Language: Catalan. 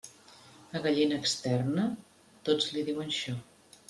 A gallina externa, tots li diuen xo.